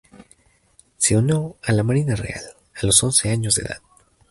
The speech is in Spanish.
Se unió a la Marina Real a los once años de edad.